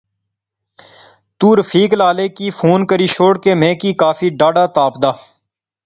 تو رفیق لالے کی فون کری شوڑ کہ میں کی کافی ڈاھڈا تپ دا